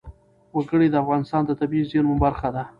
وګړي د افغانستان د طبیعي زیرمو برخه ده.